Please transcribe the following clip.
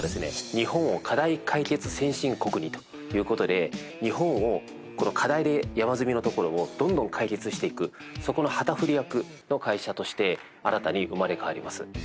「日本を、課題解決先進国に。」という事で日本をこの課題で山積みのところをどんどん解決していくそこの旗振り役の会社として新たに生まれ変わります。